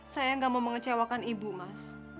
saya nggak mau mengecewakan ibu mas